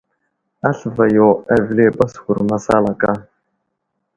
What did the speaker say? Aslva yo avəli baskur masalaka.